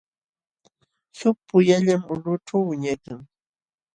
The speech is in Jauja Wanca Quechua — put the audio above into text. Suk puyallam ulqućhu wiñaykan.